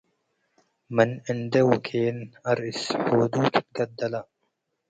ምን እንዴ ወኬን - አርእስ ሑዱቱ ትገደለ